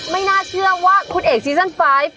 ไม่น่าเชื่อว่าคุณเอกซีซั่นไฟล์